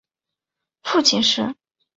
父亲是。